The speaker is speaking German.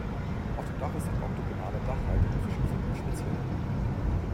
Auf dem Dach ist ein oktogonaler Dachreiter mit verschiefertem Spitzhelm.